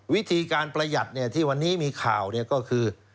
วิธีการประหยัดที่วันนี้มีข่าวก็คือ